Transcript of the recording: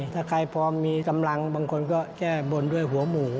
ถ้าใครพอมีกำลังบางคนก็แก้บนด้วยหัวหมู